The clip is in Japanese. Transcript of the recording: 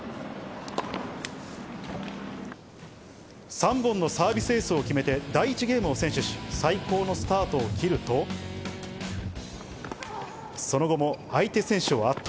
３本のサービスエースを決めて第１ゲームを先取し、最高のスタートを切ると、その後も相手選手を圧倒。